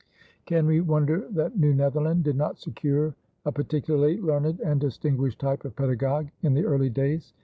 Can we wonder that New Netherland did not secure a particularly learned and distinguished type of pedagogue in the early days?